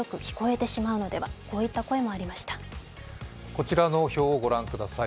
こちらの表をご覧ください。